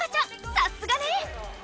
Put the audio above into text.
さすがね！